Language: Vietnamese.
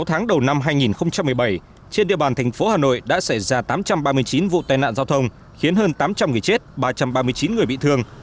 sáu tháng đầu năm hai nghìn một mươi bảy trên địa bàn thành phố hà nội đã xảy ra tám trăm ba mươi chín vụ tai nạn giao thông khiến hơn tám trăm linh người chết ba trăm ba mươi chín người bị thương